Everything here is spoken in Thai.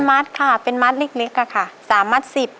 มัดค่ะเป็นมัดเล็กค่ะ๓มัด๑๐